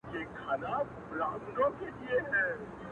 بويي تلم په توره شپه کي تر کهساره!